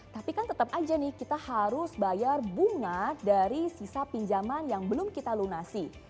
tapi kan tetap aja nih kita harus bayar bunga dari sisa pinjaman yang belum kita lunasi